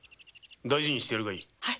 大事にしてやるがいい。